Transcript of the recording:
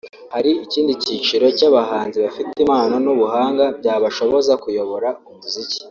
Hari ikindi cyiciro cy’abahanzi bafite impano n’ubuhanga byabashoboza kuyobora umuziki